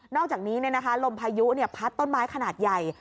นอกจากนี้เนี่ยนะคะลมพายุเนี่ยพัดต้นไม้ขนาดใหญ่